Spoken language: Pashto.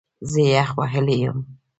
زه یخ وهلی یم